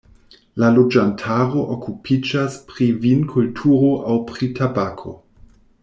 La loĝantaro okupiĝas pri vinkulturo aŭ pri tabako.